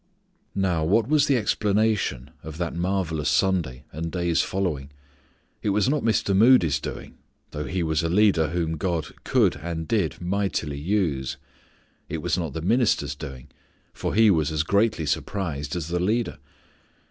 Now what was the explanation of that marvellous Sunday and days following? It was not Mr. Moody's doing, though he was a leader whom God could and did mightily use. It was not the minister's doing; for he was as greatly surprised as the leader.